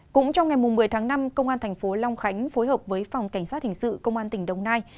cũng trong ngày một mươi tháng năm công an thành phố long khánh phối hợp với phòng cảnh sát hình sự công an tỉnh đồng nai